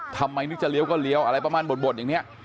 ทำไมนึกจะเลี้ยวก็เลี้ยวอะไรประมาณบ่นอย่างนี้